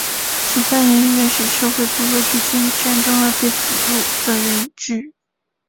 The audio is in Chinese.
囚犯源于原始社会部落之间战争而被俘虏的人质。